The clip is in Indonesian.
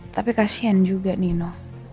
tapi kasihan juga nino